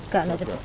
gak ada juga